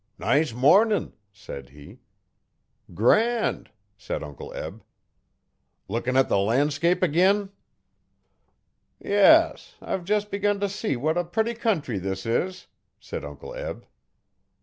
'Nice mornin'!' said he. 'Grand!' said Uncle Eb. 'Lookin' at the lan'scape ag'in?' 'Yes; I've jes' begun t' see what a putty country this is,' said Uncle Eb.